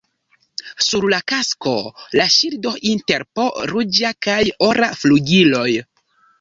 Sur la kasko la ŝildo inter po ruĝa kaj ora flugiloj.